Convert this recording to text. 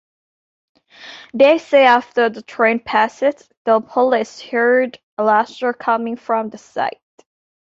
They say after the train passed, the police heard laughter coming from the site.